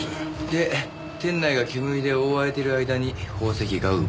で店内が煙で覆われている間に宝石が奪われた。